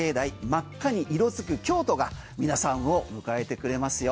真っ赤に色づく京都が皆さんを迎えてくれますよ。